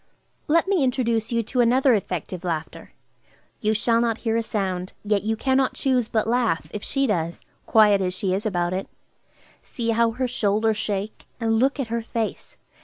Let me introduce you to another effective laughter. You shall not hear a sound, yet you cannot choose but laugh, if she does, quiet as she is about it. See how her shoulders shake, and look at her face!